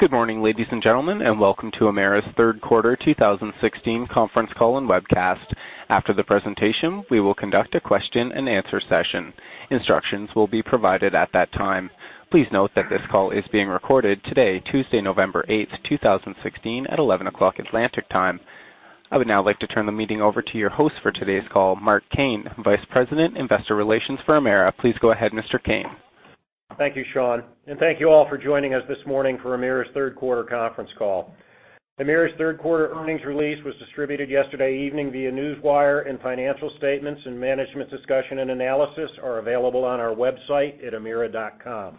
Good morning, ladies and gentlemen. Welcome to Emera's Q3 2016 conference call and webcast. After the presentation, we will conduct a question and answer session. Instructions will be provided at that time. Please note that this call is being recorded today, Tuesday, November 8th, 2016, at 11:00 A.M. Atlantic time. I would now like to turn the meeting over to your host for today's call, Mark Kane, Vice President, Investor Relations for Emera. Please go ahead, Mr. Kane. Thank you, Sean. Thank you all for joining us this morning for Emera's Q3 conference call. Emera's Q3 earnings release was distributed yesterday evening via Newswire, and financial statements and Management's Discussion and Analysis are available on our website at emera.com.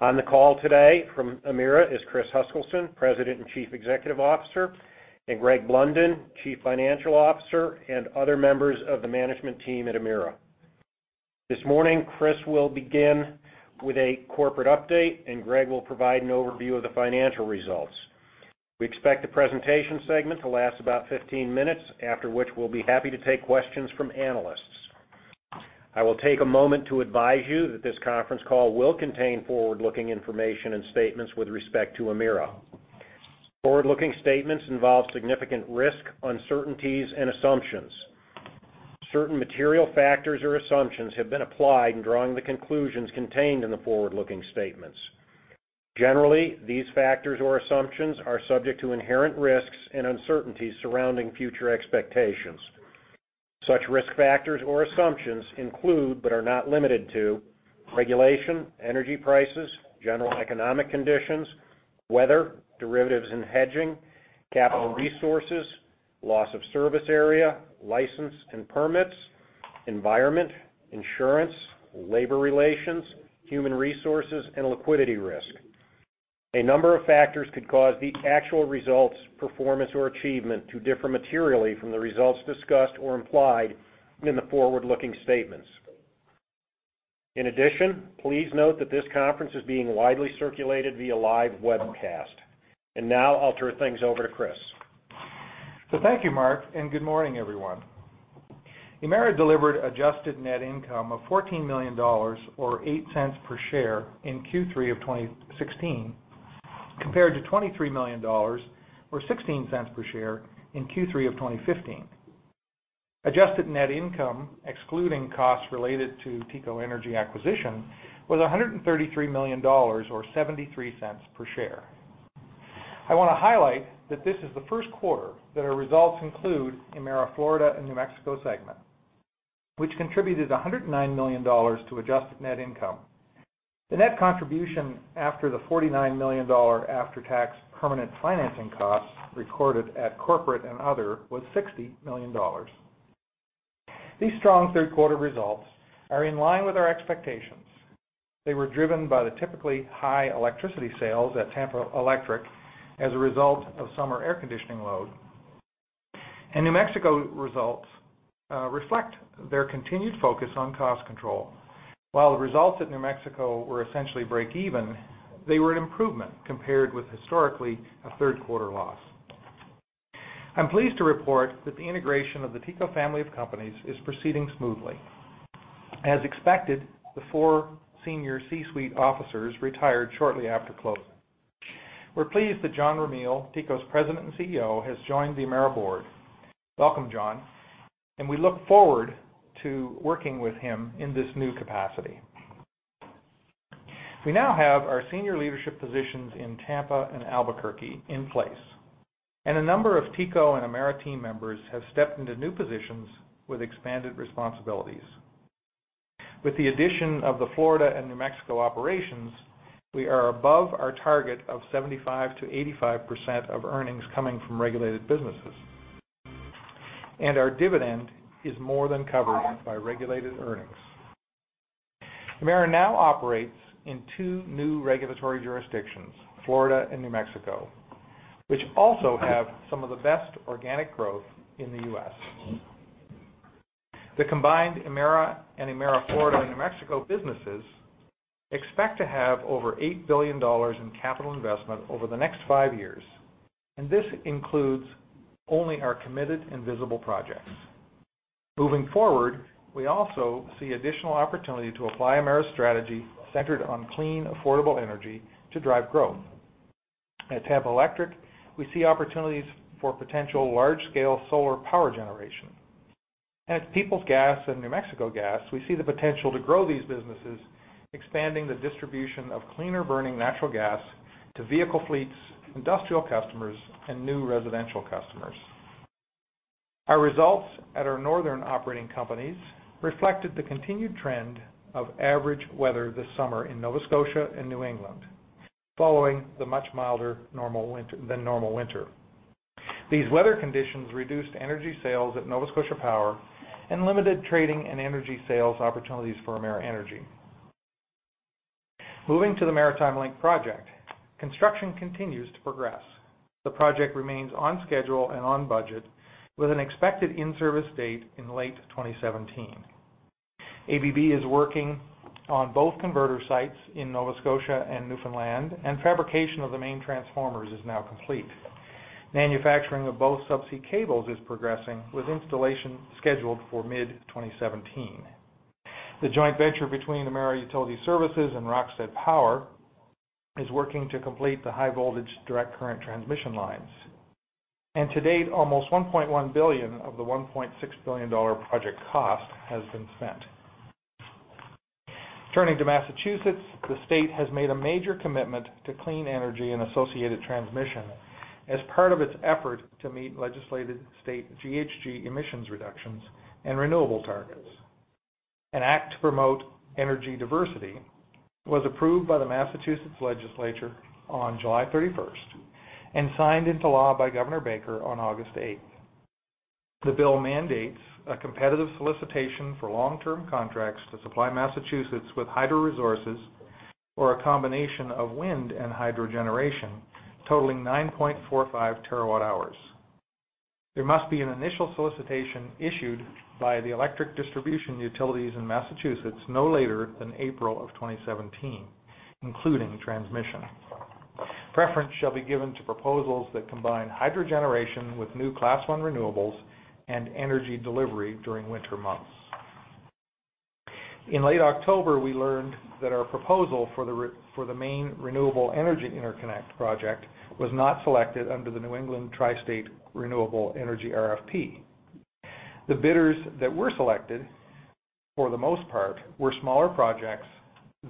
On the call today from Emera is Chris Huskilson, President and Chief Executive Officer, Greg Blunden, Chief Financial Officer, and other members of the management team at Emera. This morning, Chris will begin with a corporate update. Greg will provide an overview of the financial results. We expect the presentation segment to last about 15 minutes, after which we will be happy to take questions from analysts. I will take a moment to advise you that this conference call will contain forward-looking information and statements with respect to Emera. Forward-looking statements involve significant risk, uncertainties, and assumptions. Certain material factors or assumptions have been applied in drawing the conclusions contained in the forward-looking statements. Generally, these factors or assumptions are subject to inherent risks and uncertainties surrounding future expectations. Such risk factors or assumptions include, but are not limited to regulation, energy prices, general economic conditions, weather, derivatives and hedging, capital resources, loss of service area, license and permits, environment, insurance, labor relations, human resources, and liquidity risk. A number of factors could cause the actual results, performance, or achievement to differ materially from the results discussed or implied in the forward-looking statements. In addition, please note that this conference is being widely circulated via live webcast. Now I will turn things over to Chris. Thank you, Mark. Good morning, everyone. Emera delivered adjusted net income of 14 million dollars, or 0.08 per share in Q3 2016, compared to 23 million dollars or 0.16 per share in Q3 2015. Adjusted net income, excluding costs related to TECO Energy acquisition, was 133 million dollars or 0.73 per share. I want to highlight that this is the first quarter that our results include Emera Florida and New Mexico segment, which contributed 109 million dollars to adjusted net income. The net contribution after the 49 million dollar after-tax permanent financing costs recorded at corporate and other was 60 million dollars. These strong Q3 results are in line with our expectations. They were driven by the typically high electricity sales at Tampa Electric as a result of summer air conditioning load. New Mexico results reflect their continued focus on cost control. While the results at New Mexico were essentially break even, they were an improvement compared with historically a third-quarter loss. I am pleased to report that the integration of the TECO family of companies is proceeding smoothly. As expected, the four senior C-suite officers retired shortly after closing. We are pleased that John Ramil, TECO's President and CEO, has joined the Emera board. Welcome, John, and we look forward to working with him in this new capacity. We now have our senior leadership positions in Tampa and Albuquerque in place, and a number of TECO and Emera team members have stepped into new positions with expanded responsibilities. With the addition of the Florida and New Mexico operations, we are above our target of 75%-85% of earnings coming from regulated businesses. Our dividend is more than covered by regulated earnings. Emera now operates in two new regulatory jurisdictions, Florida and New Mexico, which also have some of the best organic growth in the U.S. The combined Emera and Emera Florida and New Mexico businesses expect to have over 8 billion dollars in capital investment over the next five years, and this includes only our committed and visible projects. Moving forward, we also see additional opportunity to apply Emera's strategy centered on clean, affordable energy to drive growth. At Tampa Electric, we see opportunities for potential large-scale solar power generation. At Peoples Gas and New Mexico Gas, we see the potential to grow these businesses, expanding the distribution of cleaner-burning natural gas to vehicle fleets, industrial customers, and new residential customers. Our results at our northern operating companies reflected the continued trend of average weather this summer in Nova Scotia and New England, following the much milder than normal winter. These weather conditions reduced energy sales at Nova Scotia Power and limited trading and energy sales opportunities for Emera Energy. Moving to the Maritime Link project, construction continues to progress. The project remains on schedule and on budget with an expected in-service date in late 2017. ABB is working on both converter sites in Nova Scotia and Newfoundland, and fabrication of the main transformers is now complete. Manufacturing of both subsea cables is progressing, with installation scheduled for mid-2017. The joint venture between Emera Utility Services and Rokstad Power is working to complete the high-voltage direct current transmission lines. To date, almost 1.1 billion of the 1.6 billion dollar project cost has been spent. Turning to Massachusetts, the state has made a major commitment to clean energy and associated transmission as part of its effort to meet legislated state GHG emissions reductions and renewable targets. An Act to Promote Energy Diversity was approved by the Massachusetts legislature on July 31st and signed into law by Governor Baker on August 8th. The bill mandates a competitive solicitation for long-term contracts to supply Massachusetts with hydro resources or a combination of wind and hydro generation totaling 9.45 terawatt-hours. There must be an initial solicitation issued by the electric distribution utilities in Massachusetts no later than April of 2017, including transmission. Preference shall be given to proposals that combine hydro generation with new Class I renewables and energy delivery during winter months. In late October, we learned that our proposal for the Maine Renewable Energy Interconnect project was not selected under the New England Tri-State Renewable Energy RFP. The bidders that were selected, for the most part, were smaller projects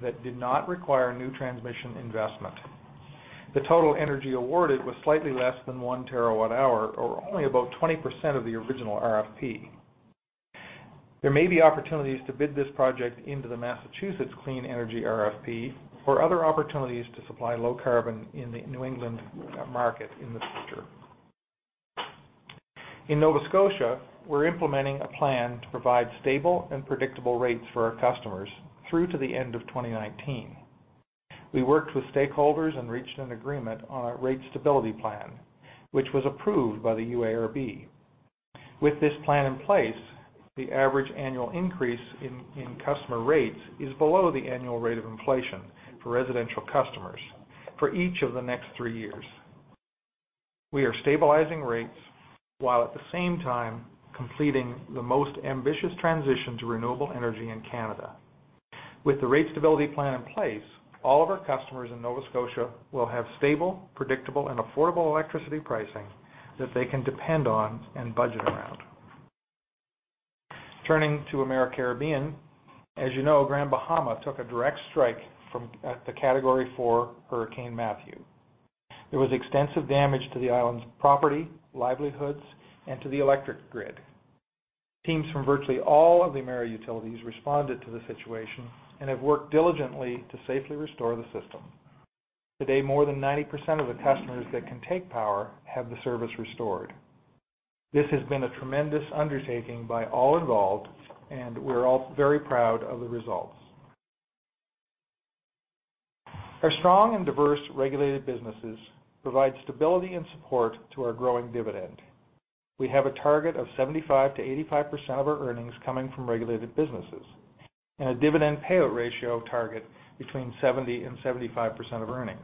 that did not require new transmission investment. The total energy awarded was slightly less than one terawatt-hour, or only about 20% of the original RFP. There may be opportunities to bid this project into the Massachusetts clean energy RFP or other opportunities to supply low carbon in the New England market in the future. In Nova Scotia, we're implementing a plan to provide stable and predictable rates for our customers through to the end of 2019. We worked with stakeholders and reached an agreement on a rate stability plan, which was approved by the UARB. With this plan in place, the average annual increase in customer rates is below the annual rate of inflation for residential customers for each of the next three years. We are stabilizing rates while at the same time completing the most ambitious transition to renewable energy in Canada. With the rate stability plan in place, all of our customers in Nova Scotia will have stable, predictable, and affordable electricity pricing that they can depend on and budget around. Turning to Emera Caribbean, as you know, Grand Bahama took a direct strike from the Category 4 Hurricane Matthew. There was extensive damage to the island's property, livelihoods, and to the electric grid. Teams from virtually all of the Emera utilities responded to the situation and have worked diligently to safely restore the system. Today, more than 90% of the customers that can take power have the service restored. This has been a tremendous undertaking by all involved, and we're all very proud of the results. Our strong and diverse regulated businesses provide stability and support to our growing dividend. We have a target of 75%-85% of our earnings coming from regulated businesses and a dividend payout ratio target between 70% and 75% of earnings.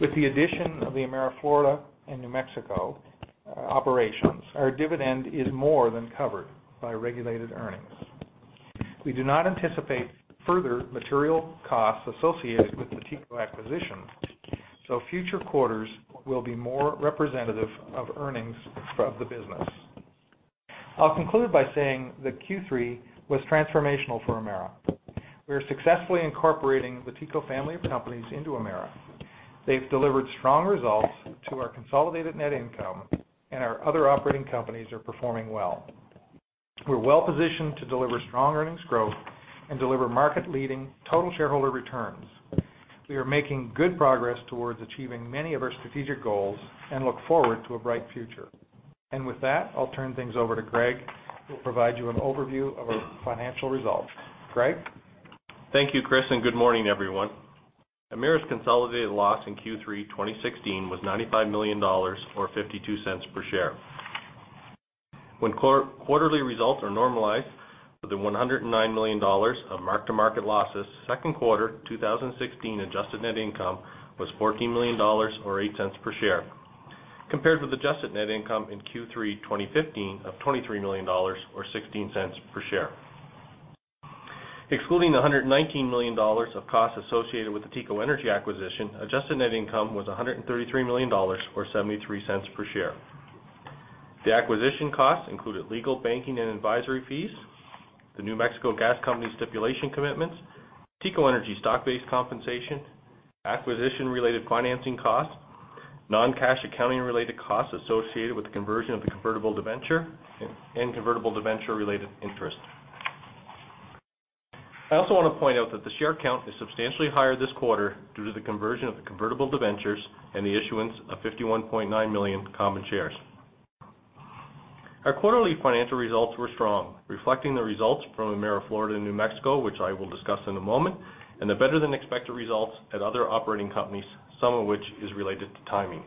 With the addition of the Emera Florida and New Mexico operations, our dividend is more than covered by regulated earnings. We do not anticipate further material costs associated with the TECO acquisition, so future quarters will be more representative of earnings of the business. I'll conclude by saying that Q3 was transformational for Emera. We are successfully incorporating the TECO family of companies into Emera. They've delivered strong results to our consolidated net income, and our other operating companies are performing well. We're well-positioned to deliver strong earnings growth and deliver market-leading total shareholder returns. We are making good progress towards achieving many of our strategic goals and look forward to a bright future. With that, I'll turn things over to Greg, who will provide you an overview of our financial results. Greg? Thank you, Chris. Good morning, everyone. Emera's consolidated loss in Q3 2016 was 95 million dollars, or 0.52 per share. When quarterly results are normalized for the 109 million dollars of mark-to-market losses, second quarter 2016 adjusted net income was 14 million dollars or 0.08 per share, compared with adjusted net income in Q3 2015 of 23 million dollars or 0.16 per share. Excluding the 119 million dollars of costs associated with the TECO Energy acquisition, adjusted net income was 133 million dollars or 0.73 per share. The acquisition costs included legal, banking, and advisory fees, the New Mexico Gas Company stipulation commitments, TECO Energy stock-based compensation, acquisition-related financing costs, non-cash accounting-related costs associated with the conversion of the convertible debenture, and convertible debenture-related interest. I also want to point out that the share count is substantially higher this quarter due to the conversion of the convertible debentures and the issuance of 51.9 million common shares. Our quarterly financial results were strong, reflecting the results from Emera Florida and New Mexico, which I will discuss in a moment, and the better-than-expected results at other operating companies, some of which is related to timing.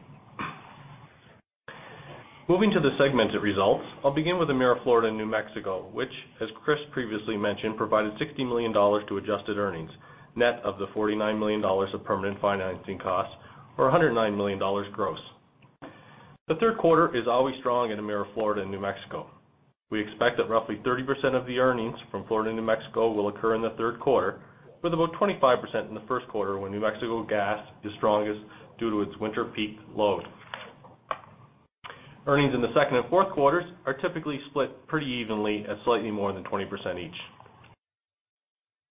Moving to the segmented results, I will begin with Emera Florida and New Mexico, which, as Chris previously mentioned, provided 60 million dollars to adjusted earnings, net of the 49 million dollars of permanent financing costs, or 109 million dollars gross. The third quarter is always strong in Emera Florida and New Mexico. We expect that roughly 30% of the earnings from Florida and New Mexico will occur in the third quarter, with about 25% in the first quarter when New Mexico Gas is strongest due to its winter peak load. Earnings in the second and fourth quarters are typically split pretty evenly at slightly more than 20% each.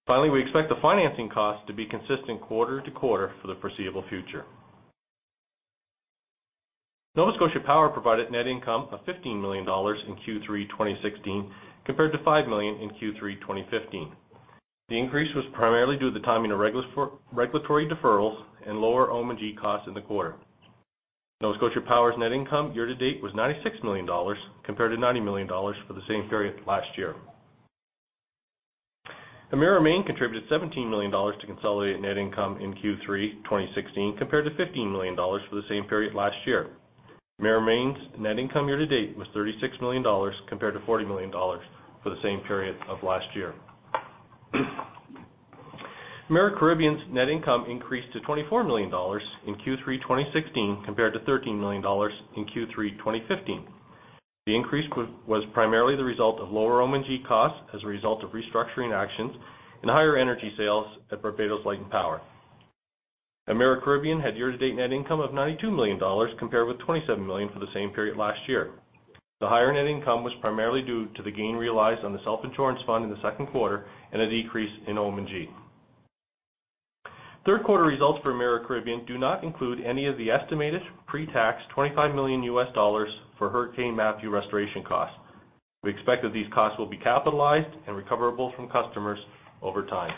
Finally, we expect the financing cost to be consistent quarter-to-quarter for the foreseeable future. Nova Scotia Power provided net income of 15 million dollars in Q3 2016 compared to 5 million in Q3 2015. The increase was primarily due to the timing of regulatory deferrals and lower OM&G costs in the quarter. Nova Scotia Power's net income year-to-date was CAD 96 million compared to CAD 90 million for the same period last year. Emera Maine contributed CAD 17 million to consolidated net income in Q3 2016 compared to CAD 15 million for the same period last year. Emera Maine's net income year-to-date was CAD 36 million compared to CAD 40 million for the same period of last year. Emera Caribbean's net income increased to 24 million dollars in Q3 2016 compared to 13 million dollars in Q3 2015. The increase was primarily the result of lower OM&G costs as a result of restructuring actions and higher energy sales at Barbados Light & Power. Emera Caribbean had year-to-date net income of 92 million dollars compared with 27 million for the same period last year. The higher net income was primarily due to the gain realized on the Self-Insurance Fund in the second quarter and a decrease in OM&G. Third quarter results for Emera Caribbean do not include any of the estimated pre-tax $25 million for Hurricane Matthew restoration costs. We expect that these costs will be capitalized and recoverable from customers over time.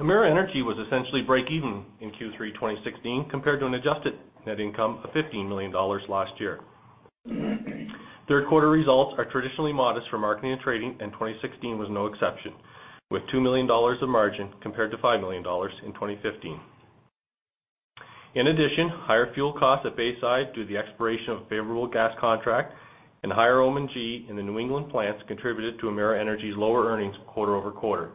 Emera Energy was essentially break even in Q3 2016 compared to an adjusted net income of 15 million dollars last year. Third quarter results are traditionally modest for marketing and trading, and 2016 was no exception, with 2 million dollars of margin compared to 5 million dollars in 2015. In addition, higher fuel costs at Bayside due to the expiration of favorable gas contract and higher OM&G in the New England plants contributed to Emera Energy's lower earnings quarter-over-quarter.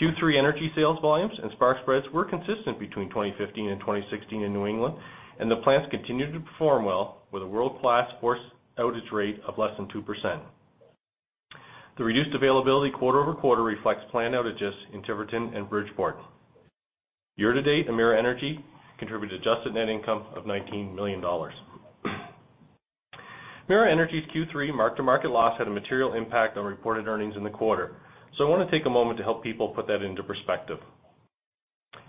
Q3 energy sales volumes and spark spreads were consistent between 2015 and 2016 in New England, and the plants continued to perform well with a world-class force outage rate of less than 2%. The reduced availability quarter-over-quarter reflects planned outages in Tiverton and Bridgeport. Year to date, Emera Energy contributed adjusted net income of 19 million dollars. Emera Energy's Q3 mark-to-market loss had a material impact on reported earnings in the quarter. I want to take a moment to help people put that into perspective.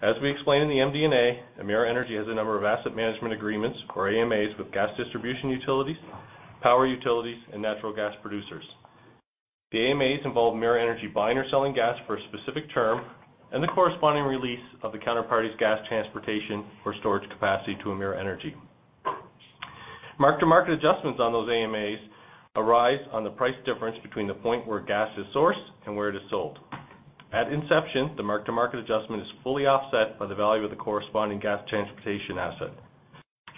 As we explained in the MD&A, Emera Energy has a number of asset management agreements, or AMAs, with gas distribution utilities, power utilities, and natural gas producers. The AMAs involve Emera Energy buying or selling gas for a specific term and the corresponding release of the counterparty's gas transportation or storage capacity to Emera Energy. Mark-to-market adjustments on those AMAs arise on the price difference between the point where gas is sourced and where it is sold. At inception, the mark-to-market adjustment is fully offset by the value of the corresponding gas transportation asset.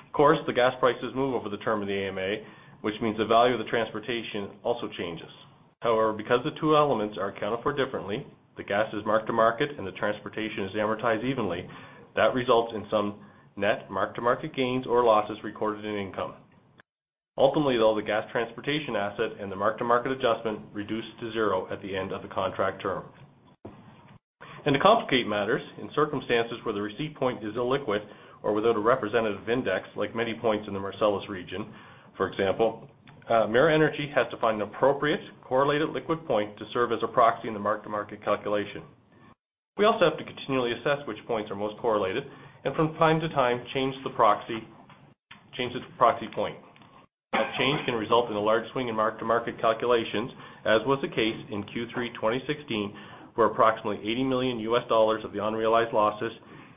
Of course, the gas prices move over the term of the AMA, which means the value of the transportation also changes. However, because the two elements are accounted for differently, the gas is mark-to-market and the transportation is amortized evenly. That results in some net mark-to-market gains or losses recorded in income. Ultimately, though, the gas transportation asset and the mark-to-market adjustment reduce to zero at the end of the contract term. To complicate matters, in circumstances where the receipt point is illiquid or without a representative index, like many points in the Marcellus region, for example, Emera Energy has to find an appropriate correlated liquid point to serve as a proxy in the mark-to-market calculation. We also have to continually assess which points are most correlated and from time to time change the proxy point. A change can result in a large swing in mark-to-market calculations, as was the case in Q3 2016, where approximately $80 million of the unrealized losses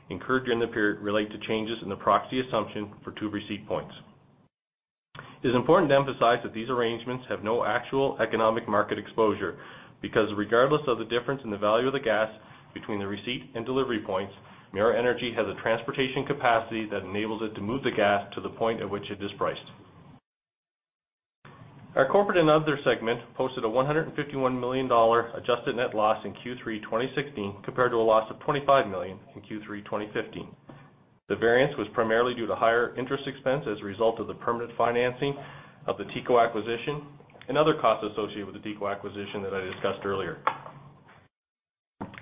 incurred during the period relate to changes in the proxy assumption for two receipt points. It is important to emphasize that these arrangements have no actual economic market exposure because regardless of the difference in the value of the gas between the receipt and delivery points, Emera Energy has a transportation capacity that enables it to move the gas to the point at which it is priced. Our Corporate and Other segment posted a 151 million dollar adjusted net loss in Q3 2016 compared to a loss of 25 million in Q3 2015. The variance was primarily due to higher interest expense as a result of the permanent financing of the TECO acquisition and other costs associated with the TECO acquisition that I discussed earlier.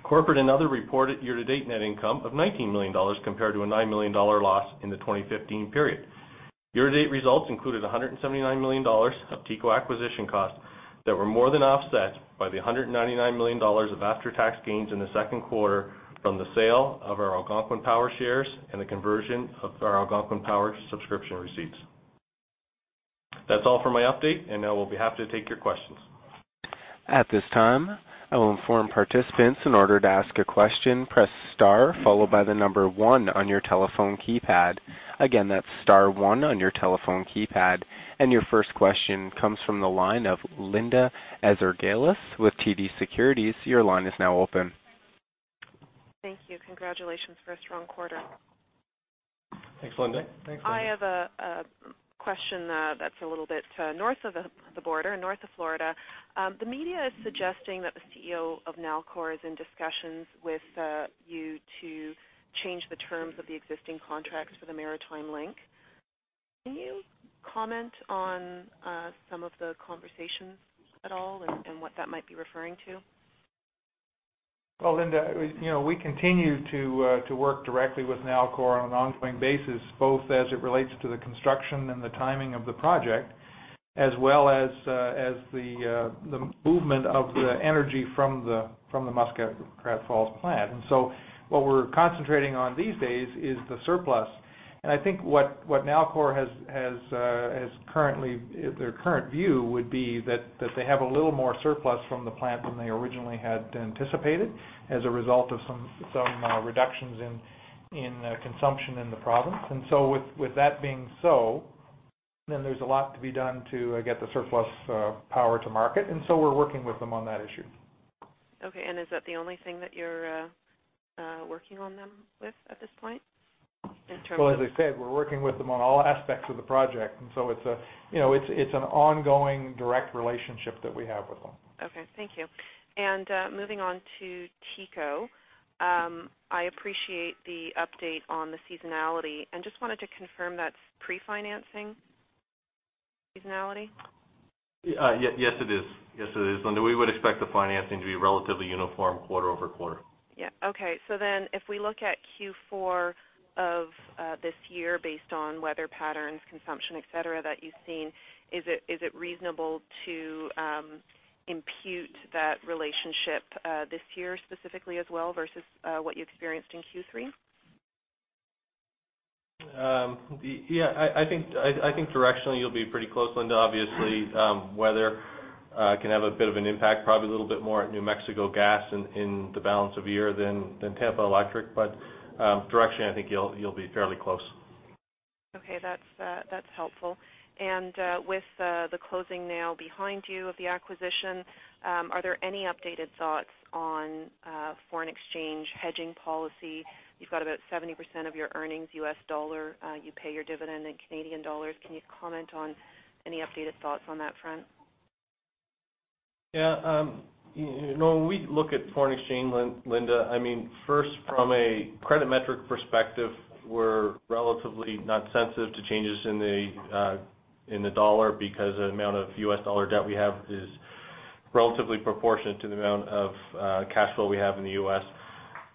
Corporate and Other reported year-to-date net income of 19 million dollars compared to a 9 million dollar loss in the 2015 period. Year-to-date results included 179 million dollars of TECO acquisition costs that were more than offset by the 199 million dollars of after-tax gains in the second quarter from the sale of our Algonquin Power shares and the conversion of our Algonquin Power subscription receipts. That's all for my update, now we'll be happy to take your questions. At this time, I will inform participants in order to ask a question, press star followed by the number one on your telephone keypad. Again, that's star one on your telephone keypad. Your first question comes from the line of Linda Ezergailis with TD Securities. Your line is now open. Thank you. Congratulations for a strong quarter. Thanks, Linda. Thanks, Linda. I have a question that's a little bit north of the border, north of Florida. The media is suggesting that the CEO of Nalcor is in discussions with you to change the terms of the existing contracts for the Maritime Link. Can you comment on some of the conversations at all and what that might be referring to? Well, Linda, we continue to work directly with Nalcor on an ongoing basis, both as it relates to the construction and the timing of the project, as well as the movement of the energy from the Muskrat Falls plant. So what we're concentrating on these days is the surplus. I think what Nalcor, their current view would be that they have a little more surplus from the plant than they originally had anticipated as a result of some reductions in consumption in the province. So with that being so, there's a lot to be done to get the surplus power to market. So we're working with them on that issue. Okay, is that the only thing that you're working on with them at this point in terms of- Well, as I said, we're working with them on all aspects of the project, so it's an ongoing direct relationship that we have with them. Okay, thank you. Moving on to TECO. I appreciate the update on the seasonality and just wanted to confirm that's pre-financing seasonality. Yes, it is, Linda. We would expect the financing to be relatively uniform quarter-over-quarter. Yeah. Okay. If we look at Q4 of this year based on weather patterns, consumption, et cetera, that you've seen, is it reasonable to impute that relationship this year specifically as well versus what you experienced in Q3? Yeah, I think directionally you'll be pretty close, Linda. Obviously, weather can have a bit of an impact, probably a little bit more at New Mexico Gas in the balance of the year than Tampa Electric. Directionally, I think you'll be fairly close. Okay. That's helpful. With the closing now behind you of the acquisition, are there any updated thoughts on foreign exchange hedging policy? You've got about 70% of your earnings U.S. dollar. You pay your dividend in Canadian dollars. Can you comment on any updated thoughts on that front? Yeah. When we look at foreign exchange, Linda, first from a credit metric perspective, we're relatively not sensitive to changes in the dollar because the amount of U.S. dollar debt we have is relatively proportionate to the amount of cash flow we have in the U.S.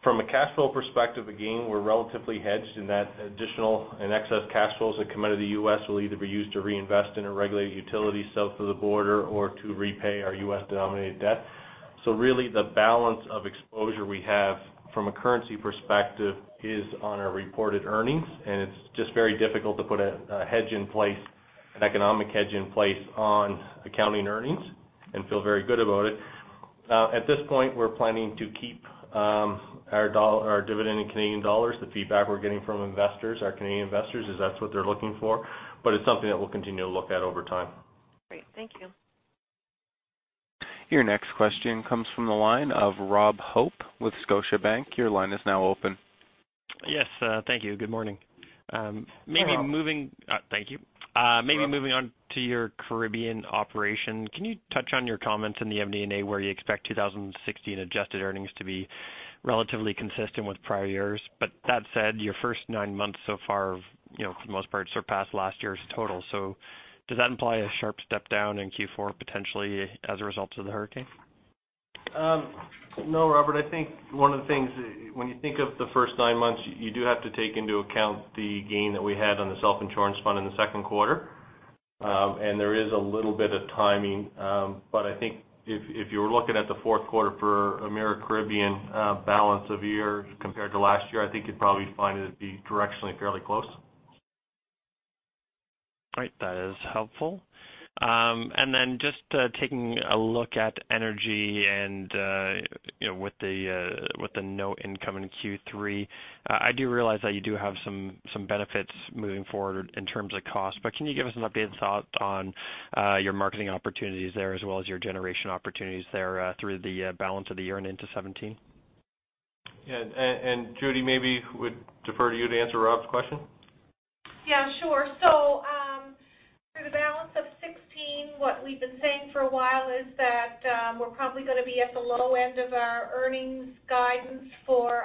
From a cash flow perspective, again, we're relatively hedged in that additional and excess cash flows that come out of the U.S. will either be used to reinvest in a regulated utility south of the border or to repay our U.S.-denominated debt. Really, the balance of exposure we have from a currency perspective is on our reported earnings, and it's just very difficult to put a hedge in place, an economic hedge in place on accounting earnings and feel very good about it. At this point, we're planning to keep our dividend in Canadian dollars. The feedback we're getting from investors, our Canadian investors, is that's what they're looking for. It's something that we'll continue to look at over time. Great. Thank you. Your next question comes from the line of Rob Hope with Scotiabank. Your line is now open. Yes. Thank you. Good morning. Hi, Rob. Thank you. Maybe moving on to your Caribbean operation, can you touch on your comments in the MD&A where you expect 2016 adjusted earnings to be relatively consistent with prior years? That said, your first nine months so far, for the most part, surpassed last year's total. Does that imply a sharp step down in Q4, potentially as a result of the hurricane? No, Robert, I think one of the things when you think of the first nine months, you do have to take into account the gain that we had on the self-insurance fund in the second quarter. There is a little bit of timing. I think if you were looking at the fourth quarter for Emera Caribbean balance of year compared to last year, I think you'd probably find it'd be directionally fairly close. All right. That is helpful. Just taking a look at energy and with the no income in Q3, I do realize that you do have some benefits moving forward in terms of cost, can you give us an updated thought on your marketing opportunities there as well as your generation opportunities there through the balance of the year and into 2017? Yeah. Judy, maybe would defer to you to answer Rob's question. Yeah, sure. For the balance of 2016, what we've been saying for a while is that we're probably going to be at the low end of our earnings guidance for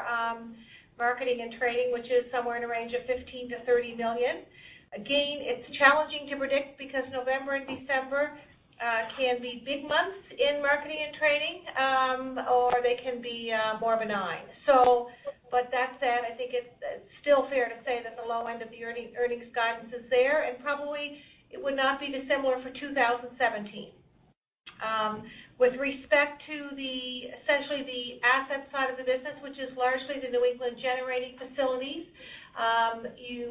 marketing and trading, which is somewhere in a range of 15 million-30 million. Again, it's challenging to predict because November and December can be big months in marketing and trading, or they can be more of a nine. That said, I think it's still fair to say that the low end of the earnings guidance is there, and probably it would not be dissimilar for 2017. With respect to essentially the asset side of the business, which is largely the New England generating facilities,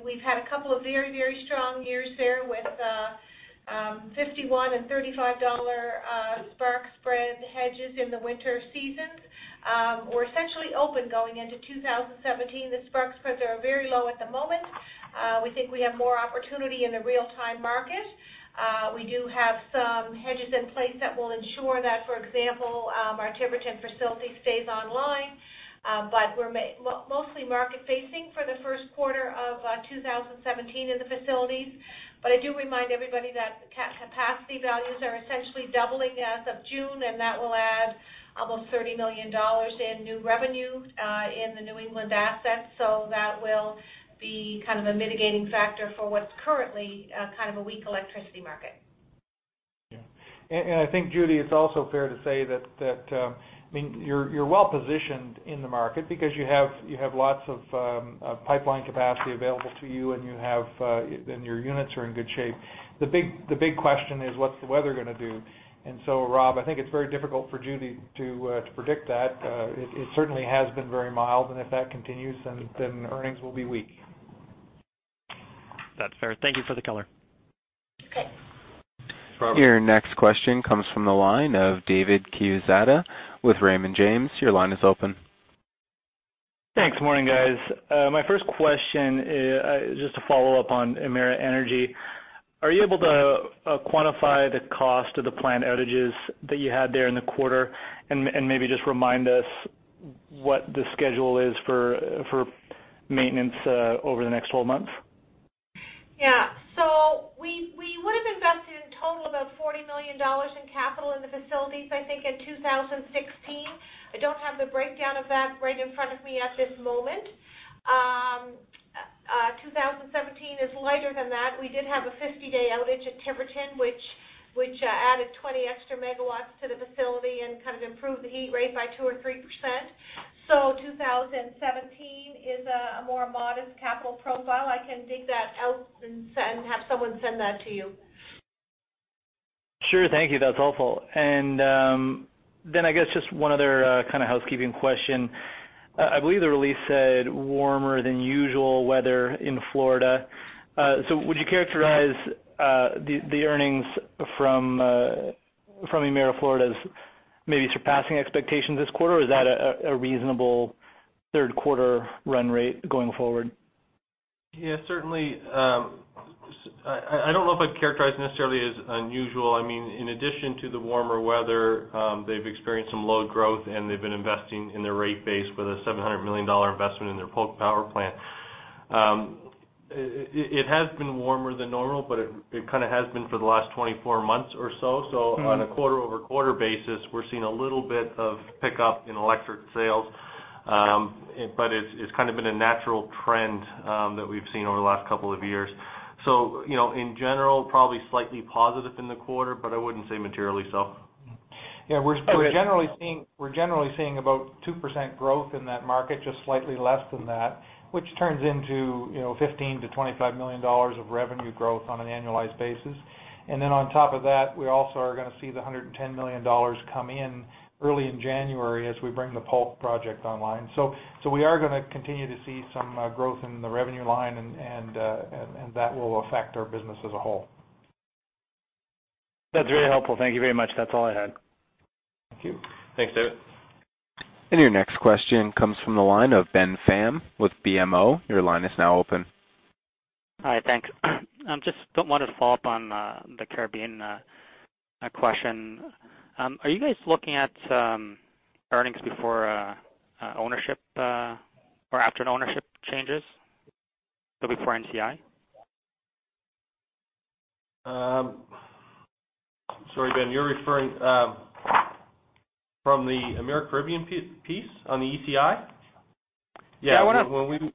we've had a couple of very strong years there with 51 and 35 dollar spark spread hedges in the winter seasons. We're essentially open going into 2017. The spark spreads are very low at the moment. We think we have more opportunity in the real-time market. We do have some hedges in place that will ensure that, for example, our Tiverton facility stays online. We're mostly market-facing for the first quarter of 2017 in the facilities. I do remind everybody that capacity values are essentially doubling as of June, and that will add almost 30 million dollars in new revenue in the New England assets. That will be a mitigating factor for what's currently a weak electricity market. Yeah. I think, Judy, it's also fair to say that you're well-positioned in the market because you have lots of pipeline capacity available to you, and your units are in good shape. The big question is, what's the weather going to do? Rob, I think it's very difficult for Judy to predict that. It certainly has been very mild, and if that continues, then earnings will be weak. That's fair. Thank you for the color. Okay. Robert. Your next question comes from the line of David Chiusata with Raymond James. Your line is open. Thanks. Morning, guys. My first question is just a follow-up on Emera Energy. Are you able to quantify the cost of the planned outages that you had there in the quarter? Maybe just remind us what the schedule is for maintenance over the next 12 months. Yeah. We would've invested in total about 40 million dollars in capital in the facilities, I think, in 2016. I don't have the breakdown of that right in front of me at this moment. 2017 is lighter than that. We did have a 50-day outage at Tiverton, which added 20 extra MW to the facility and improved the heat rate by 2% or 3%. 2017 is a more modest capital profile. I can dig that out and have someone send that to you. Sure. Thank you. That's helpful. I guess just one other kind of housekeeping question. I believe the release said warmer than usual weather in Florida. Would you characterize the earnings from Emera Florida as maybe surpassing expectations this quarter? Is that a reasonable third quarter run rate going forward? Yeah, certainly. I don't know if I'd characterize necessarily as unusual. In addition to the warmer weather, they've experienced some load growth, and they've been investing in their rate base with a $700 million investment in their Polk Power Station. It has been warmer than normal, but it kind of has been for the last 24 months or so. On a quarter-over-quarter basis, we're seeing a little bit of pickup in electric sales. It's kind of been a natural trend that we've seen over the last couple of years. In general, probably slightly positive in the quarter, but I wouldn't say materially so. Yeah. We're generally seeing about 2% growth in that market, just slightly less than that, which turns into 15 million-25 million dollars of revenue growth on an annualized basis. On top of that, we also are going to see the 110 million dollars come in early in January as we bring the Polk project online. We are going to continue to see some growth in the revenue line, and that will affect our business as a whole. That's very helpful. Thank you very much. That's all I had. Thank you. Thanks, David. Your next question comes from the line of Ben Pham with BMO. Your line is now open. Hi. Thanks. Just want to follow up on the Caribbean question. Are you guys looking at earnings before ownership or after ownership changes? Before NCI? Sorry, Ben, you're referring from the Emera Caribbean piece on the ECI? Yeah, why not?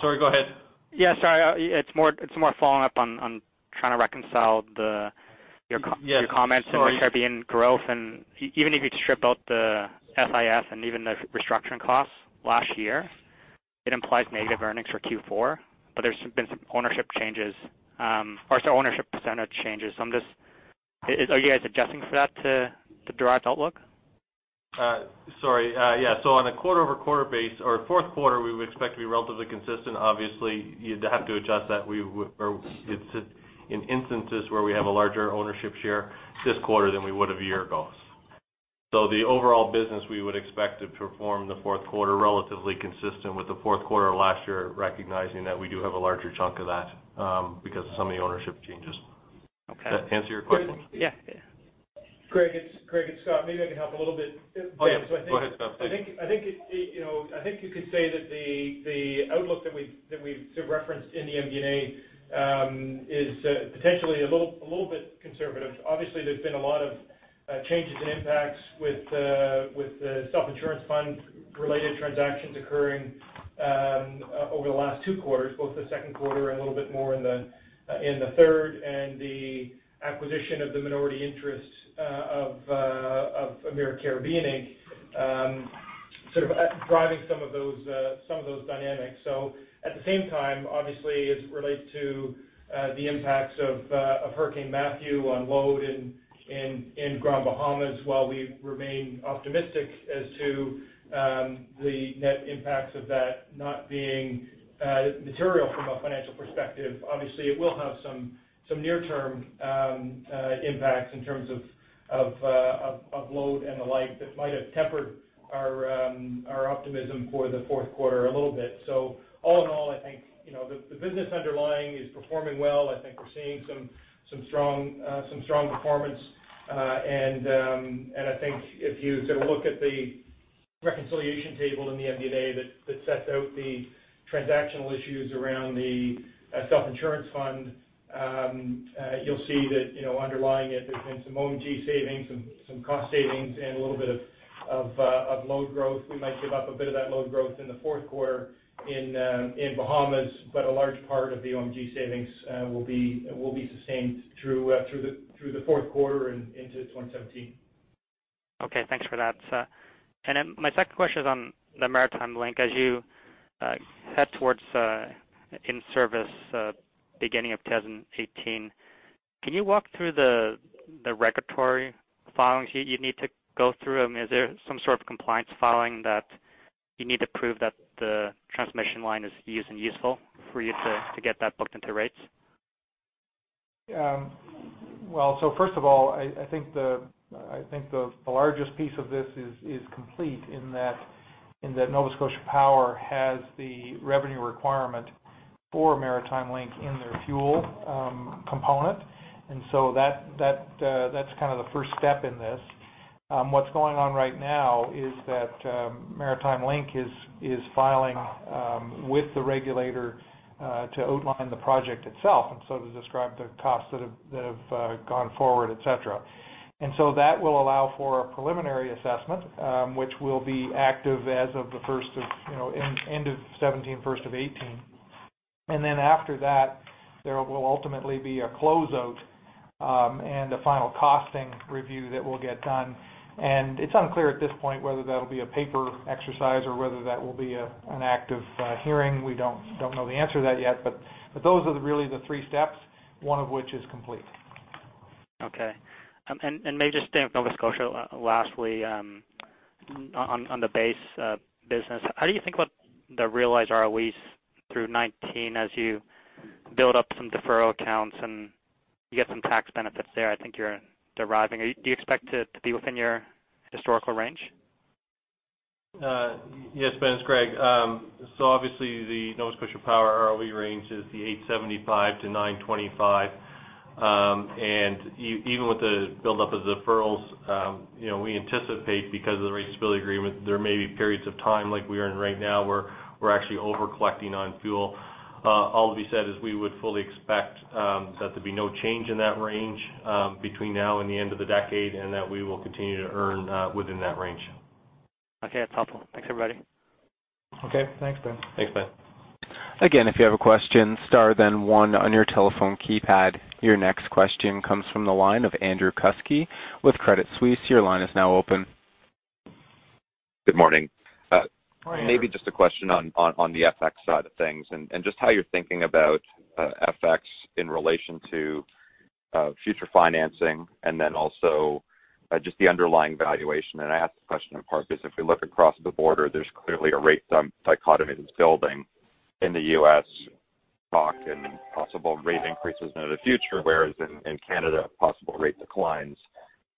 Sorry, go ahead. Yeah, sorry. It's more following up on trying to reconcile your Yeah. Sorry. Even if you strip out the SIF and even the restructuring costs last year, it implies negative earnings for Q4. There's been some ownership changes, or sorry, ownership percentage changes. Are you guys adjusting for that to derive the outlook? Sorry. Yeah. On a quarter-over-quarter base or fourth quarter, we would expect to be relatively consistent. Obviously, you'd have to adjust that in instances where we have a larger ownership share this quarter than we would have a year ago. The overall business, we would expect to perform in the fourth quarter relatively consistent with the fourth quarter of last year, recognizing that we do have a larger chunk of that because of some of the ownership changes. Okay. Does that answer your question? Yeah. Greg, it's Scott. Maybe I can help a little bit. Oh, yeah. Go ahead, Scott. Please. I think you could say that the outlook that we've sort of referenced in the MD&A is potentially a little bit conservative. Obviously, there's been a lot of changes and impacts with the self-insurance fund-related transactions occurring over the last two quarters, both the second quarter and a little bit more in the third, and the acquisition of the minority interests of Emera Caribbean Inc. sort of driving some of those dynamics. At the same time, obviously, as it relates to the impacts of Hurricane Matthew on load in Grand Bahama, while we remain optimistic as to the net impacts of that not being material from a financial perspective. Obviously, it will have some near-term impacts in terms of load and the like that might have tempered our optimism for the fourth quarter a little bit. All in all, I think the business underlying is performing well. I think we're seeing some strong performance. I think if you sort of look at the Reconciliation table in the MD&A that sets out the transactional issues around the self-insurance fund. You'll see that underlying it, there's been some OM&G savings, some cost savings, and a little bit of load growth. We might give up a bit of that load growth in the fourth quarter in Bahamas, but a large part of the OM&G savings will be sustained through the fourth quarter and into 2017. Okay. Thanks for that. Then my second question is on the Maritime Link. As you head towards in-service beginning of 2018, can you walk through the regulatory filings you need to go through? Is there some sort of compliance filing that you need to prove that the transmission line is used and useful for you to get that booked into rates? Well, first of all, I think the largest piece of this is complete in that Nova Scotia Power has the revenue requirement for Maritime Link in their fuel component. That's the first step in this. What's going on right now is that Maritime Link is filing with the regulator to outline the project itself, and so to describe the costs that have gone forward, et cetera. That will allow for a preliminary assessment, which will be active as of the end of 2017, first of 2018. Then after that, there will ultimately be a closeout, and a final costing review that we'll get done. It's unclear at this point whether that'll be a paper exercise or whether that will be an active hearing. We don't know the answer to that yet. Those are really the three steps, one of which is complete. Okay. May I just stay with Nova Scotia lastly, on the base business. How do you think about the realized ROEs through 2019 as you build up some deferral accounts, and you get some tax benefits there I think you're deriving. Do you expect it to be within your historical range? Yes, Ben, it's Greg. Obviously the Nova Scotia Power ROE range is the 875 to 925. Even with the buildup of deferrals, we anticipate because of the ratability agreement, there may be periods of time like we are in right now where we're actually over-collecting on fuel. All that being said is we would fully expect that to be no change in that range between now and the end of the decade, and that we will continue to earn within that range. Okay. That's helpful. Thanks, everybody. Okay. Thanks, Ben. Thanks, Ben. Again, if you have a question, star then one on your telephone keypad. Your next question comes from the line of Andrew Kuske with Credit Suisse. Your line is now open. Good morning. Hi, Andrew. Maybe just a question on the FX side of things, just how you are thinking about FX in relation to future financing and then also just the underlying valuation. I ask the question in part because if we look across the border, there is clearly a rate dichotomy that is building in the U.S. talk and possible rate increases into the future, whereas in Canada, possible rate declines,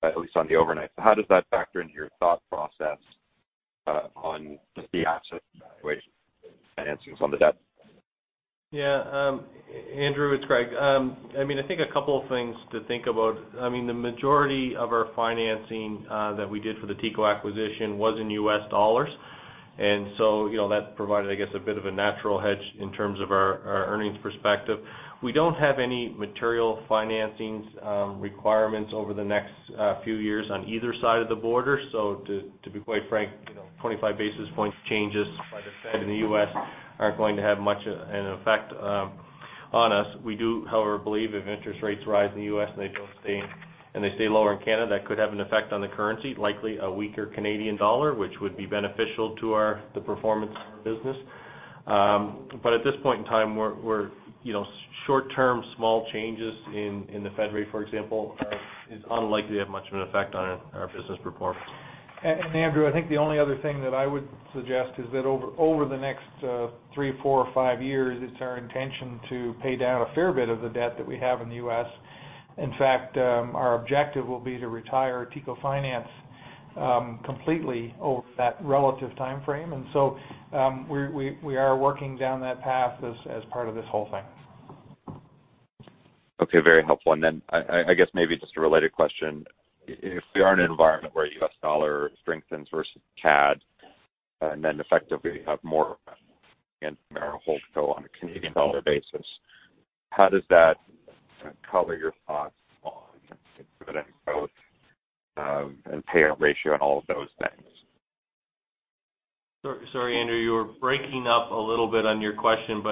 at least on the overnight. How does that factor into your thought process on just the asset valuation financings on the debt? Yeah. Andrew, it is Greg. I think a couple things to think about. The majority of our financing that we did for the TECO acquisition was in U.S. dollars. That provided, I guess, a bit of a natural hedge in terms of our earnings perspective. We do not have any material financings requirements over the next few years on either side of the border. To be quite frank, 25 basis points changes by the Fed in the U.S. are not going to have much an effect on us. We do, however, believe if interest rates rise in the U.S. and they stay lower in Canada, that could have an effect on the currency, likely a weaker Canadian dollar, which would be beneficial to the performance of our business. But at this point in time, short-term small changes in the Fed rate, for example, is unlikely to have much of an effect on our business performance. Andrew, I think the only other thing that I would suggest is that over the next three, four, or five years, it is our intention to pay down a fair bit of the debt that we have in the U.S. In fact, our objective will be to retire TECO Finance completely over that relative timeframe. We are working down that path as part of this whole thing. Okay. Very helpful. I guess maybe just a related question. If we are in an environment where US dollar strengthens versus CAD, then effectively you have more Emera whole co on a Canadian dollar basis, how does that color your thoughts on dividend growth, and payout ratio, and all of those things? Sorry, Andrew, you were breaking up a little bit on your question,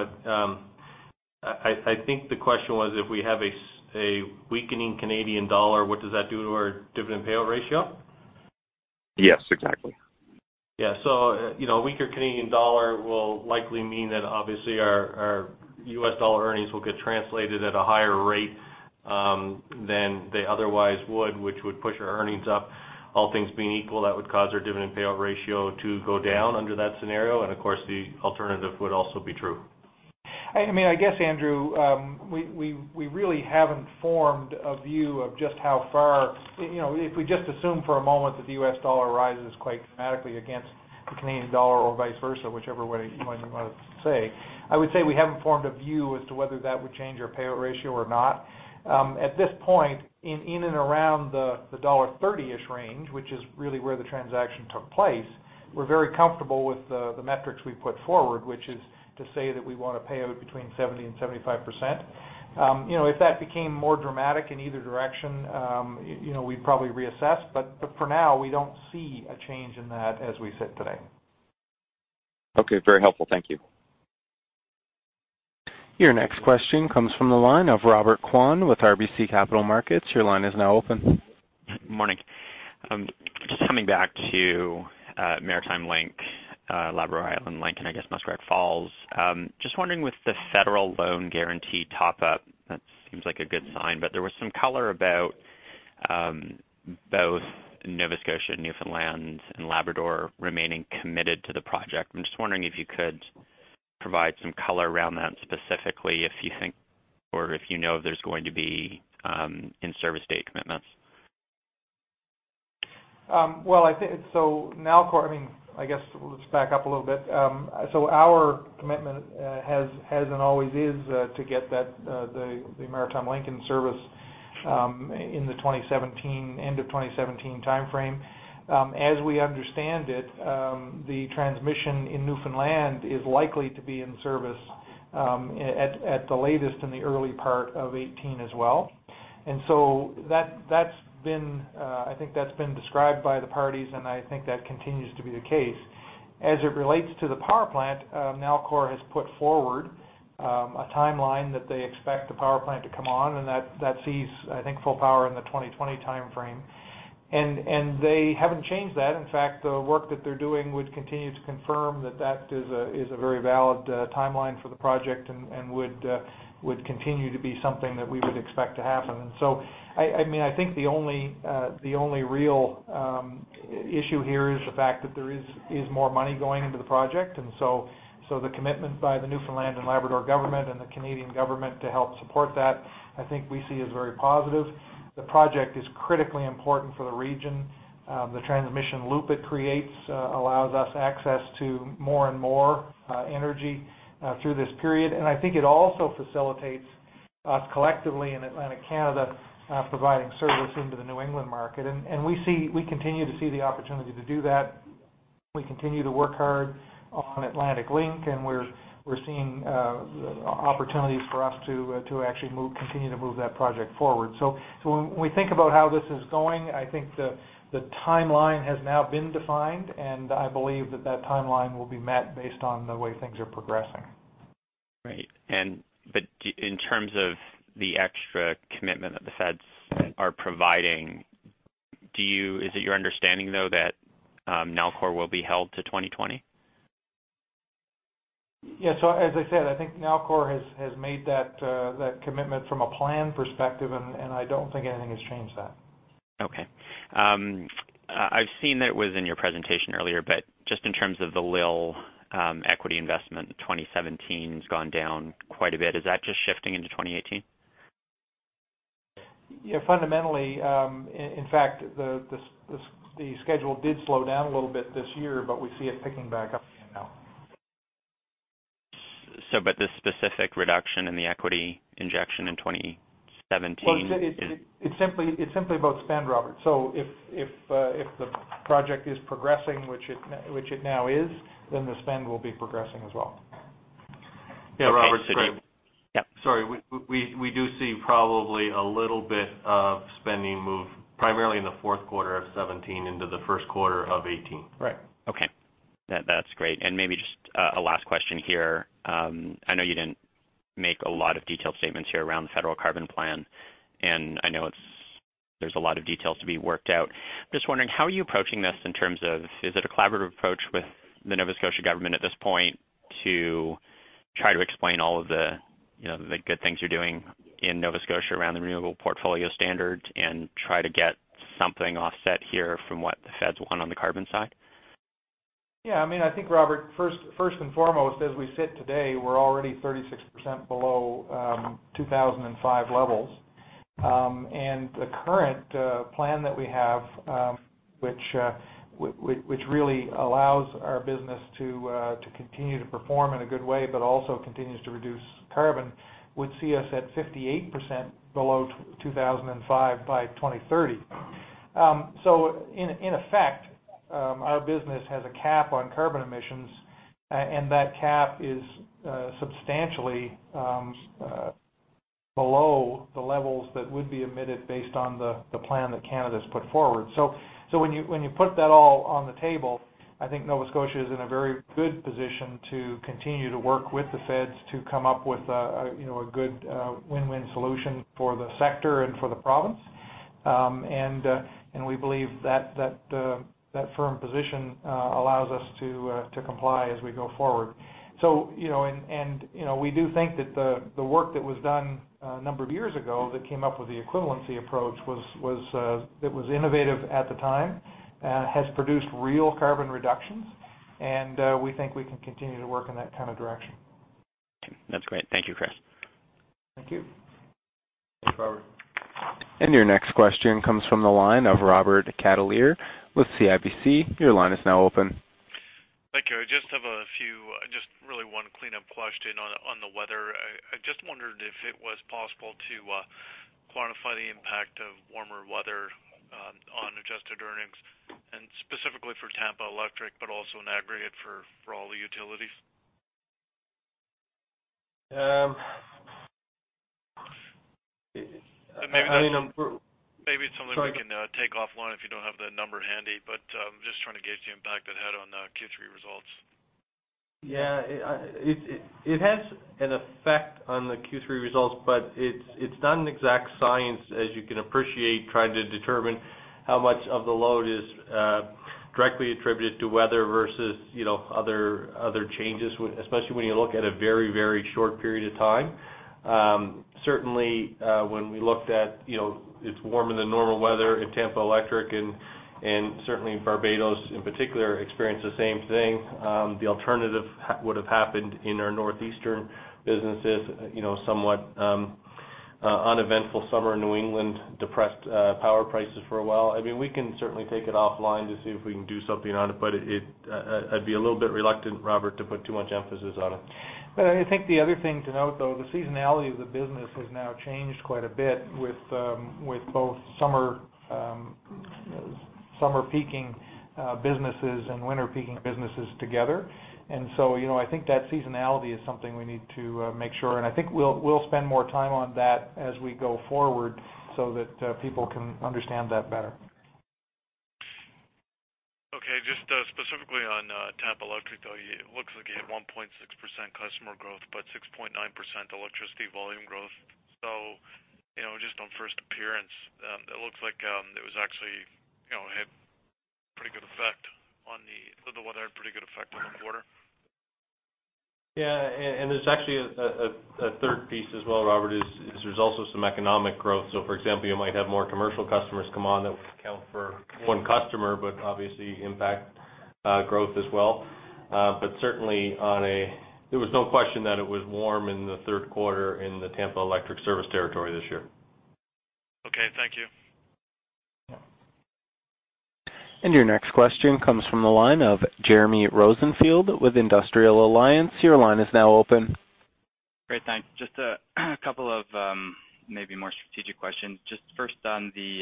I think the question was if we have a weakening Canadian dollar, what does that do to our dividend payout ratio? Yes, exactly. Yeah. A weaker Canadian dollar will likely mean that obviously our US dollar earnings will get translated at a higher rate than they otherwise would, which would push our earnings up. All things being equal, that would cause our dividend payout ratio to go down under that scenario. Of course, the alternative would also be true. I guess, Andrew Kuske, we really haven't formed a view of just how far. If we just assume for a moment that the U.S. dollar rises quite dramatically against the Canadian dollar or vice versa, whichever way you might want to say. I would say we haven't formed a view as to whether that would change our payout ratio or not. At this point, in and around the 1.30-ish range, which is really where the transaction took place, we're very comfortable with the metrics we put forward, which is to say that we want to pay out between 70%-75%. If that became more dramatic in either direction, we'd probably reassess. For now, we don't see a change in that as we sit today. Okay. Very helpful. Thank you. Your next question comes from the line of Robert Kwan with RBC Capital Markets. Your line is now open. Morning. Just coming back to Maritime Link, Labrador Island Link, and I guess Muskrat Falls. Just wondering with the federal loan guarantee top-up, that seems like a good sign, there was some color about both Nova Scotia, Newfoundland, and Labrador remaining committed to the project. I'm just wondering if you could provide some color around that specifically, if you think or if you know there's going to be in-service date commitments. I guess let's back up a little bit. Our commitment has and always is to get the Maritime Link in service in the end of 2017 timeframe. As we understand it, the transmission in Newfoundland is likely to be in service at the latest in the early part of 2018 as well. I think that's been described by the parties, and I think that continues to be the case. As it relates to the power plant, Nalcor has put forward a timeline that they expect the power plant to come on, and that sees, I think, full power in the 2020 timeframe. They haven't changed that. In fact, the work that they're doing would continue to confirm that that is a very valid timeline for the project and would continue to be something that we would expect to happen. I think the only real issue here is the fact that there is more money going into the project. The commitment by the Newfoundland and Labrador government and the Canadian government to help support that, I think we see as very positive. The project is critically important for the region. The transmission loop it creates allows us access to more and more energy through this period. I think it also facilitates us collectively in Atlantic Canada providing service into the New England market. We continue to see the opportunity to do that. We continue to work hard on Atlantic Link, and we're seeing opportunities for us to actually continue to move that project forward. When we think about how this is going, I think the timeline has now been defined, and I believe that that timeline will be met based on the way things are progressing. Right. In terms of the extra commitment that the feds are providing, is it your understanding, though, that Nalcor will be held to 2020? Yeah. As I said, I think Nalcor has made that commitment from a plan perspective, and I don't think anything has changed that. Okay. I've seen that it was in your presentation earlier, just in terms of the LIL equity investment, 2017's gone down quite a bit. Is that just shifting into 2018? Yeah. Fundamentally, in fact, the schedule did slow down a little bit this year, we see it picking back up again now. This specific reduction in the equity injection in 2017 is. It's simply about spend, Robert. If the project is progressing, which it now is, the spend will be progressing as well. Okay. Robert. Sorry. Yeah. Sorry. We do see probably a little bit of spending move primarily in the fourth quarter of 2017 into the first quarter of 2018. Right. That's great. Maybe just a last question here. I know you didn't make a lot of detailed statements here around the federal carbon plan, and I know there's a lot of details to be worked out. Just wondering, how are you approaching this in terms of, is it a collaborative approach with the Nova Scotia government at this point to try to explain all of the good things you're doing in Nova Scotia around the renewable portfolio standards and try to get something offset here from what the feds want on the carbon side? Yeah. I think, Robert, first and foremost, as we sit today, we're already 36% below 2005 levels. The current plan that we have which really allows our business to continue to perform in a good way, but also continues to reduce carbon, would see us at 58% below 2005 by 2030. In effect, our business has a cap on carbon emissions, and that cap is substantially below the levels that would be emitted based on the plan that Canada's put forward. When you put that all on the table, I think Nova Scotia is in a very good position to continue to work with the feds to come up with a good win-win solution for the sector and for the province. We believe that firm position allows us to comply as we go forward. We do think that the work that was done a number of years ago that came up with the equivalency approach that was innovative at the time, has produced real carbon reductions, and we think we can continue to work in that kind of direction. That's great. Thank you, Chris. Thank you. Robert. Your next question comes from the line of Robert Catellier with CIBC. Your line is now open. Thank you. I just have a few, just really one cleanup question on the weather. I just wondered if it was possible to quantify the impact of warmer weather on adjusted earnings, and specifically for Tampa Electric, but also in aggregate for all the utilities. Maybe- Maybe it's something we can take offline if you don't have the number handy, but I'm just trying to gauge the impact it had on Q3 results. It has an effect on the Q3 results, but it's not an exact science, as you can appreciate, trying to determine how much of the load is directly attributed to weather versus other changes, especially when you look at a very short period of time. Certainly, when we looked at it's warmer-than-normal weather in Tampa Electric, and certainly in Barbados in particular, experienced the same thing. The alternative would've happened in our northeastern businesses, somewhat uneventful summer in New England, depressed power prices for a while. We can certainly take it offline to see if we can do something on it. I'd be a little bit reluctant, Robert, to put too much emphasis on it. I think the other thing to note, though, the seasonality of the business has now changed quite a bit with both summer peaking businesses and winter peaking businesses together. I think that seasonality is something we need to make sure, and I think we'll spend more time on that as we go forward so that people can understand that better. Okay. Just specifically on Tampa Electric, though, it looks like you had 1.6% customer growth, but 6.9% electricity volume growth. Just on first appearance, it looks like it had pretty good effect on the weather had pretty good effect on the quarter. Yeah, there's actually a third piece as well, Robert, is there's also some economic growth. For example, you might have more commercial customers come on. That would account for one customer, but obviously impact growth as well. Certainly there was no question that it was warm in the third quarter in the Tampa Electric service territory this year. Okay. Thank you. Your next question comes from the line of Jeremy Rosenfield with Industrial Alliance. Your line is now open. Great. Thanks. Just a couple of maybe more strategic questions. Just first on the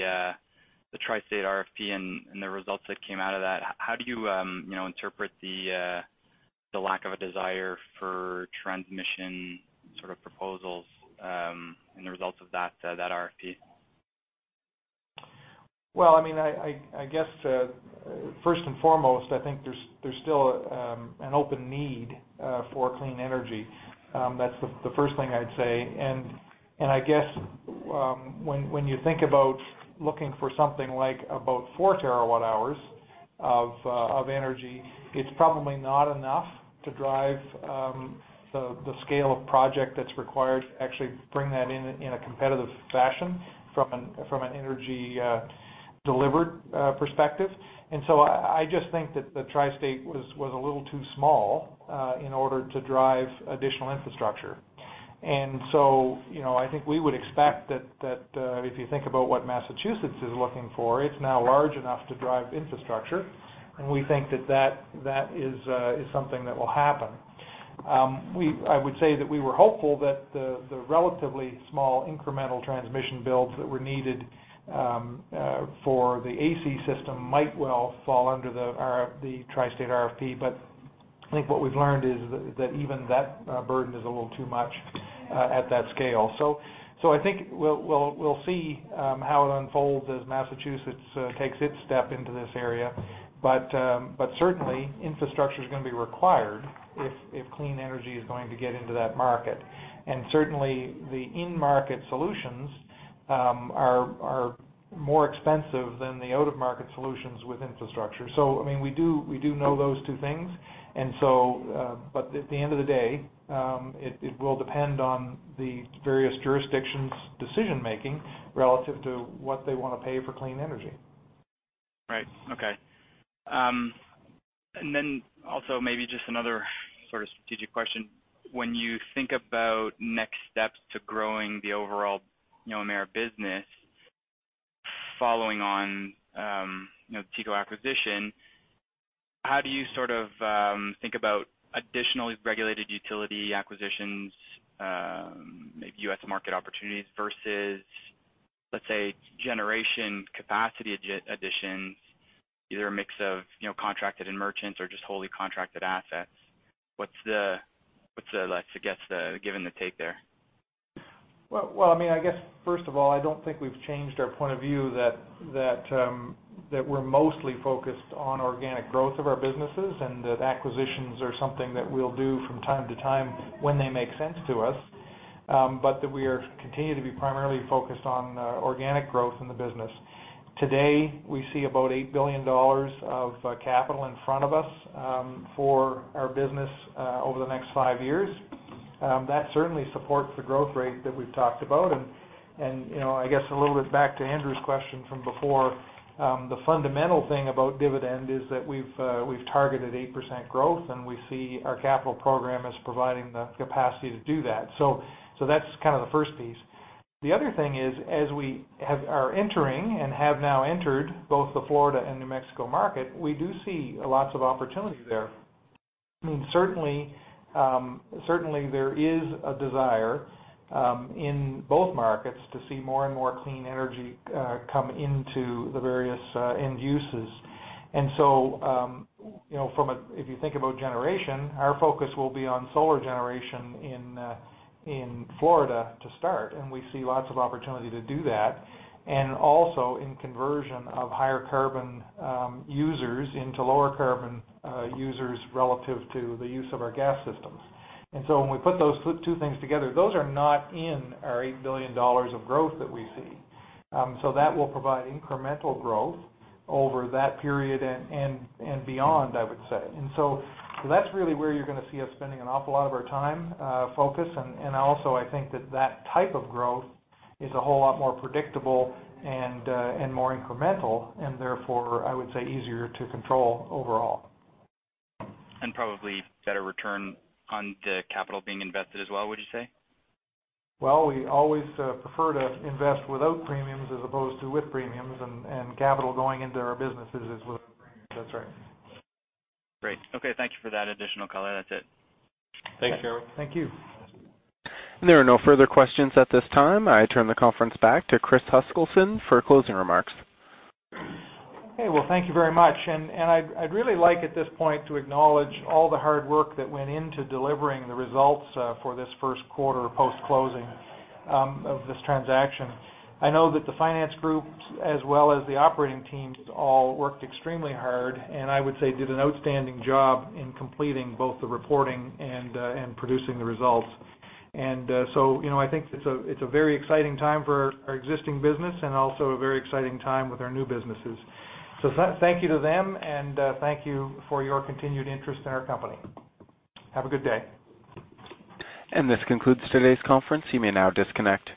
Tri-State RFP and the results that came out of that. How do you interpret the lack of a desire for transmission proposals in the results of that RFP? I guess first and foremost, I think there's still an open need for clean energy. That's the first thing I'd say. I guess when you think about looking for something like about four terawatt-hours of energy, it's probably not enough to drive the scale of project that's required to actually bring that in in a competitive fashion from an energy delivered perspective. I just think that the Tri-State was a little too small in order to drive additional infrastructure. I think we would expect that if you think about what Massachusetts is looking for, it's now large enough to drive infrastructure, and we think that is something that will happen. I would say that we were hopeful that the relatively small incremental transmission builds that were needed for the AC system might well fall under the Tri-State RFP. I think what we've learned is that even that burden is a little too much at that scale. I think we'll see how it unfolds as Massachusetts takes its step into this area. Certainly infrastructure's going to be required if clean energy is going to get into that market. Certainly the in-market solutions are more expensive than the out-of-market solutions with infrastructure. We do know those two things. At the end of the day, it will depend on the various jurisdictions' decision-making relative to what they want to pay for clean energy. Right. Okay. Also maybe just another strategic question. When you think about next steps to growing the overall Emera business following on the TECO acquisition, how do you think about additionally regulated utility acquisitions, maybe U.S. market opportunities versus, let's say, generation capacity additions, either a mix of contracted and merchants or just wholly contracted assets? What's the give and the take there? I guess first of all, I don't think we've changed our point of view that we're mostly focused on organic growth of our businesses. Acquisitions are something that we'll do from time to time when they make sense to us. That we are continuing to be primarily focused on organic growth in the business. Today, we see about 8 billion dollars of capital in front of us for our business over the next 5 years. That certainly supports the growth rate that we've talked about. I guess a little bit back to Andrew's question from before, the fundamental thing about dividend is that we've targeted 8% growth. We see our capital program as providing the capacity to do that. That's kind of the first piece. The other thing is, as we are entering and have now entered both the Florida and New Mexico market, we do see lots of opportunity there. Certainly, there is a desire in both markets to see more and more clean energy come into the various end uses. If you think about generation, our focus will be on solar generation in Florida to start. We see lots of opportunity to do that. Also in conversion of higher carbon users into lower carbon users relative to the use of our gas systems. When we put those two things together, those are not in our 8 billion dollars of growth that we see. That will provide incremental growth over that period and beyond, I would say. That's really where you're going to see us spending an awful lot of our time, focus. Also I think that type of growth is a whole lot more predictable and more incremental. Therefore, I would say, easier to control overall. Probably better return on the capital being invested as well, would you say? Well, we always prefer to invest without premiums as opposed to with premiums, and capital going into our businesses is without premiums. That's right. Great. Okay. Thank you for that additional color. That's it. Thanks, Cheryl. Thank you. There are no further questions at this time. I turn the conference back to Chris Huskilson for closing remarks. Okay. Well, thank you very much. I'd really like at this point to acknowledge all the hard work that went into delivering the results for this first quarter post-closing of this transaction. I know that the finance group as well as the operating teams all worked extremely hard and I would say did an outstanding job in completing both the reporting and producing the results. I think it's a very exciting time for our existing business and also a very exciting time with our new businesses. Thank you to them, and thank you for your continued interest in our company. Have a good day. This concludes today's conference. You may now disconnect.